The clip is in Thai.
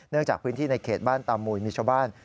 จากพื้นที่ในเขตบ้านตามุยมีชาวบ้าน